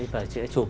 và sẽ chụp